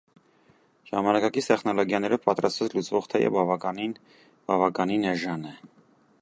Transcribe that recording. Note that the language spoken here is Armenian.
Ժամանակակից տեխնոլոգիաներով պատրաստված լուծվող թեյը բավականին բավականին էժան է։